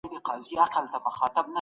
مجاهدین په غرو کي د دین دپاره ولاړ دي.